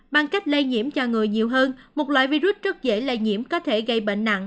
bằng cách lây nhiễm cho người nhiều hơn một loại virus rất dễ lây nhiễm có thể gây bệnh nặng